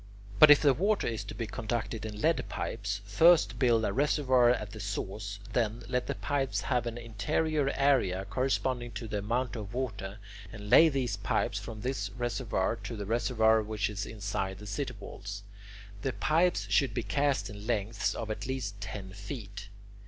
But if the water is to be conducted in lead pipes, first build a reservoir at the source; then, let the pipes have an interior area corresponding to the amount of water, and lay these pipes from this reservoir to the reservoir which is inside the city walls. The pipes should be cast in lengths of at least ten feet.